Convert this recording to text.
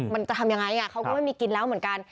มันจะทำยังไงเขาก็ไม่มีกินแล้วเหมือนกัน